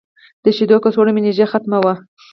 د شیدو کڅوړه مې نږدې ختمه وه.